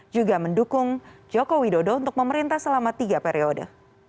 juga mendukung jokowi dodo untuk memerintah selama tiga periode